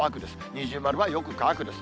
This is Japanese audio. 二重丸はよく乾くです。